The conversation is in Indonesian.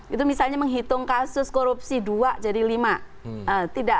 itu misalnya menghitung kasus korupsi dua jadi lima